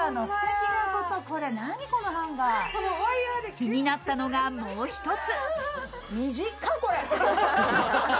気になったのが、もう一つ。